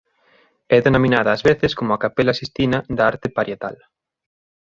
É denominada ás veces como "a Capela Sistina da arte parietal".